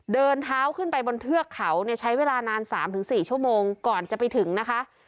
เดินเท้าขึ้นไปบนเทือกเขาเนี่ยใช้เวลานาน๓๔ชั่วโมงก่อนจะไปถึงนะคะ